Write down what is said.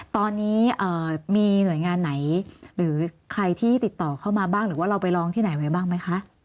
ตอนนี้มีหน่วยงานไหนหรือใครที่ติดต่อเข้ามาบ้างหรือว่าเราไปร้องที่ไหนไว้บ้างไหมคะ